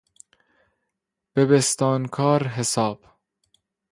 به بستانکار حساب...